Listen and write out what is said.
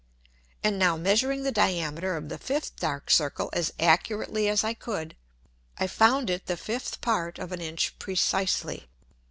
And now measuring the Diameter of the fifth dark Circle as accurately as I could, I found it the fifth part of an Inch precisely.